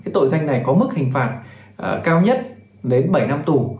tội danh này có mức hình phạt cao nhất đến bảy năm tù